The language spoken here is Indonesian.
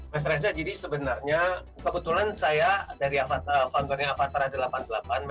mas reza jadi sebenarnya kebetulan saya dari foundernya avatara delapan puluh delapan